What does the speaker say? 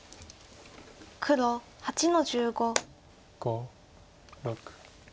黒８の十五。